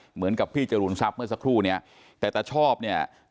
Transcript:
เหมือนกับพี่จรูนทรัพย์เมื่อสักครู่เนี่ยแต่ตาชอบเนี่ย